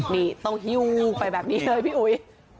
นี่ต้องหิ้วไปแบบนี้เลยพี่อุ๋ย